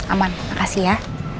aman makasih ya